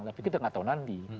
tapi kita nggak tahu nanti